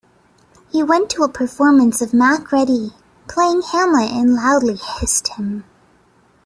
He went to a performance of Macready playing Hamlet and loudly hissed him.